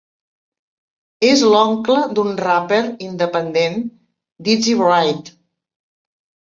És l'oncle d'un raper independent, Dizzy Wright.